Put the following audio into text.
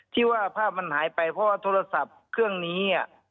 ที่ว่าภาพมันหายไปเพราะว่าโทรศัพท์เครื่องนี้